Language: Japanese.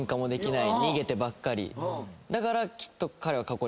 だからきっと彼は。